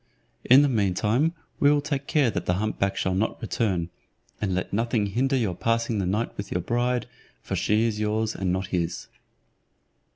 In the mean time we will take care that the hump back shall not return, and let nothing hinder your passing the night with your bride, for she is yours and not his."